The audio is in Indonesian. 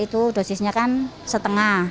itu dosisnya kan setengah